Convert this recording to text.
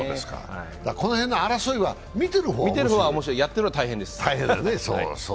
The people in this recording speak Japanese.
この辺の争いは見てる方は面白い、やっている方は大変です。